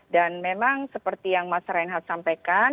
dan memang seperti yang mas reinhardt sampaikan